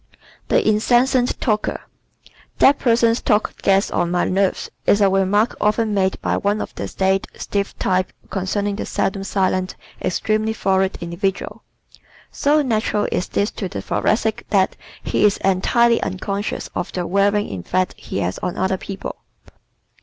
The Incessant Talker ¶ "That person's talk gets on my nerves," is a remark often made by one of the staid, stiff types concerning the seldom silent, extremely florid individual. So natural is this to the Thoracic that he is entirely unconscious of the wearing effect he has on other people.